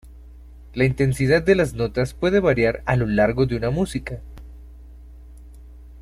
La intensidad de las notas puede variar a lo largo de una música.